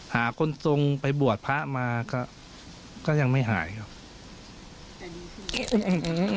หาคนทรงไปบวชพระมาก็ก็ยังไม่หายครับ